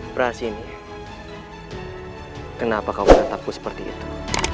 prasini kenapa kau menetapku seperti itu